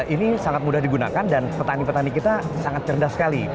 ini sangat mudah digunakan dan petani petani kita sangat cerdas sekali